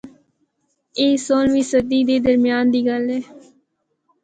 اے سولہویں صدی دے درمیان دی گل اے۔